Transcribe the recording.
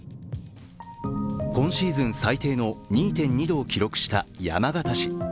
今シーズン最低の２．２度を記録した山形市。